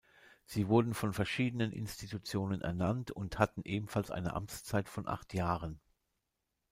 Sie wurden von verschiedenen Institutionen ernannt und hatten ebenfalls eine Amtszeit von acht Jahren.